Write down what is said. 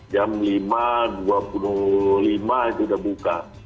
jam lima dua puluh lima itu udah buka